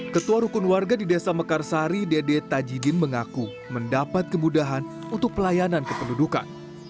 ketua rukun warga di desa mekarsari dede tajidin mengaku mendapat kemudahan untuk pelayanan kependudukan